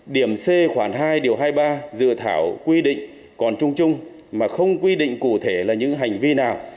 điểm c khoảng hai điều hai mươi ba dự thảo quy định còn chung chung mà không quy định cụ thể là những hành vi nào